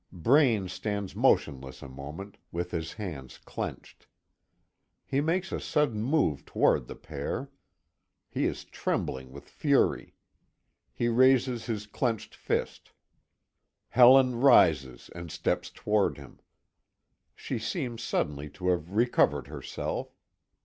Braine stands motionless a moment, with his hands clenched. He makes a sudden move toward the pair. He is trembling with fury. He raises his clenched fist. Helen rises and steps toward him. She seems suddenly to have recovered herself.